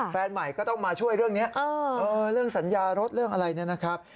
แฟนใหม่ก็ต้องมาช่วยเรื่องนี้เรื่องสัญญารถเรื่องอะไรเนี่ยนะครับ